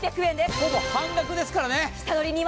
ほぼ半額ですからね。